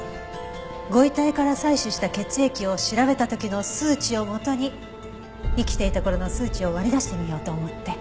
ご遺体から採取した血液を調べた時の数値を元に生きていた頃の数値を割り出してみようと思って。